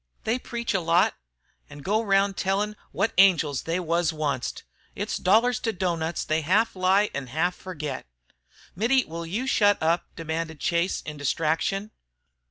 They preach a lot, an' go round tellin' wot angels they was onct. It's dollars to doughnuts they half lie an' half forgit " "Mittie, will you shut up?" demanded Chase, in distraction.